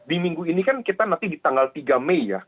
di minggu ini kan kita nanti di tanggal tiga mei ya